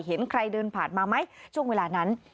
เห็นใครเดินผ่านมาไหมช่วงเวลานั้น